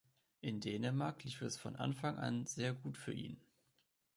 In Dänemark lief es von Anfang an sehr gut für ihn.